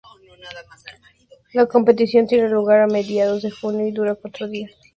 La competición tiene lugar a mediados de junio y dura cuatro días.